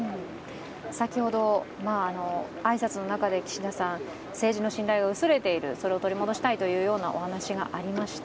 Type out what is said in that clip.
先ほど挨拶の中で岸田さん、政治の信頼が薄れているそれを取り戻したいというお話がありました。